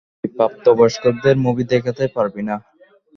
তুই প্রাপ্তবয়স্কদের মুভি দেখতে পারবি না।